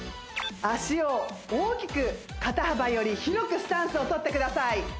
脚を大きく肩幅より広くスタンスをとってください